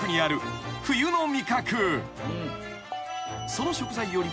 ［その］